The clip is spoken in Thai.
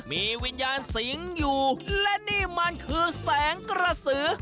มีวิญญาณสิงอยู่และนี่มันคือแสงกระสือ